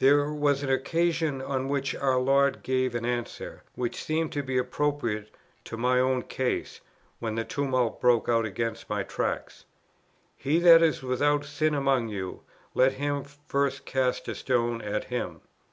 There was an occasion on which our Lord gave an answer, which seemed to be appropriate to my own case, when the tumult broke out against my Tract: "He that is without sin among you, let him first cast a stone at him."